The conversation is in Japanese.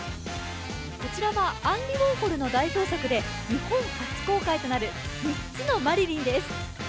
こちらはアンディ・ウォーホルの代表作で日本初公開となる「三つのマリリン」です。